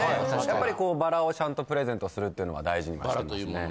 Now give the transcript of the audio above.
やっぱりこうバラをちゃんとプレゼントするっていうのは大事にはしてますね。